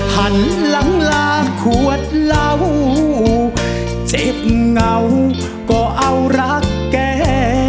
หันหลังลาขวดเหล้าเจ็บเหงาก็เอารักแก